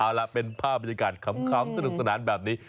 เอาล่ะเป็นภาพบรรยากาศขำสนุกสนานแบบนี้